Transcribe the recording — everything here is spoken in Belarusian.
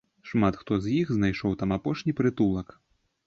Шмат хто з іх і знайшоў там апошні прытулак.